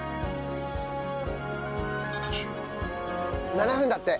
７分だって。